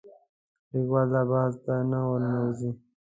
لیکوال دا بحث ته نه ورننوځي